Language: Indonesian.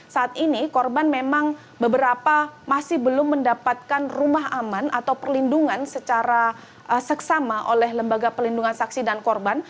saat ini korban memang beberapa masih belum mendapatkan rumah aman atau perlindungan secara seksama oleh lembaga pelindungan saksi dan korban